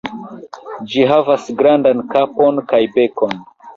Ĝi havas grandan kapon kaj bekon.